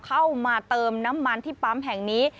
เข้ามาเติมน้ำมันที่ปั๊มแห่งนี้